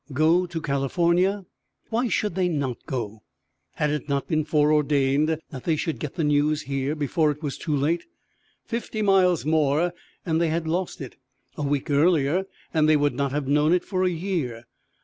Go to California? Why should they not go? Had it not been foreordained that they should get the news here, before it was too late? Fifty miles more and they had lost it. A week earlier and they would not have known it for a year.